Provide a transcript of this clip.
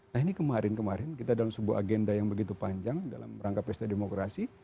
nah ini kemarin kemarin kita dalam sebuah agenda yang begitu panjang dalam rangka pesta demokrasi